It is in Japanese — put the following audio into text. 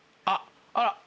あっ！